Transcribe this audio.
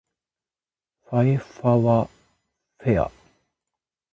ふぇあふぇわふぇわ